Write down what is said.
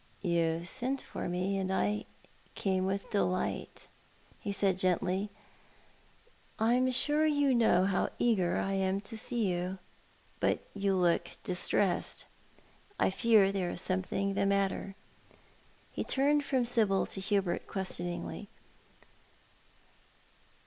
" You sent for me, and I came with delight," he said gently. " Pm sure you must know how eager I am to see you. But you look distressed— I fear there is something the matter." He turned from Sibyl to Hubert questioningly.